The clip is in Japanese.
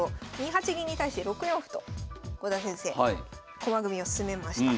２八銀に対して６四歩と郷田先生駒組みを進めました。